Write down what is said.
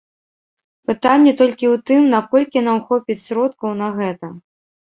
Пытанне толькі ў тым, наколькі нам хопіць сродкаў на гэта.